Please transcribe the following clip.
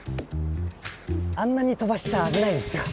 あんなに飛ばしちゃ危ないですよ！